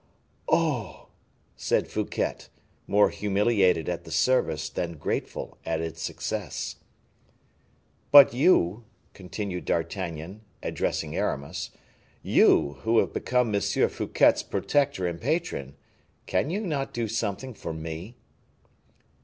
"Oh!" said Fouquet, more humiliated at the service than grateful at its success. "But you," continued D'Artagnan, addressing Aramis "you, who have become M. Fouquet's protector and patron, can you not do something for me?"